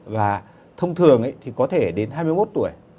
và thông thường thì có thể đến hai mươi một tuổi